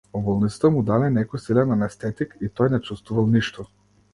Во болницата му дале некој силен анестетик и тој не чувствувал ништо.